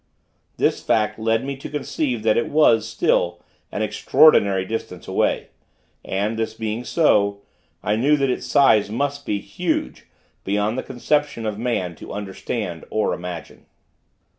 This fact led me to conceive that it was, still, an extraordinary distance away; and, this being so, I knew that its size must be huge, beyond the conception of man to understand or imagine.